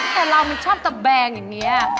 แต่เรามันชอบตะแบงอย่างนี้